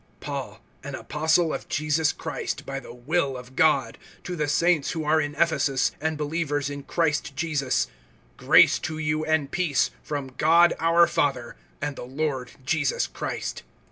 PAUL, an apostle of Jesus Christ by the will of God, to the saints who are in Ephesus, and believers in Christ Jesus: (2)Grace to you, and peace, from God our Father and the Lord Jesus Christ.